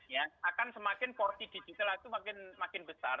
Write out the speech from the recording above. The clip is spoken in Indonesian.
ya akan semakin porti digital itu makin makin besar